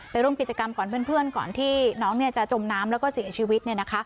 ไปร่วมกิจกรรมก่อนเพื่อนก่อนที่น้องเนี่ยจะจมน้ำแล้วก็เสียชีวิตเนี่ยนะคะ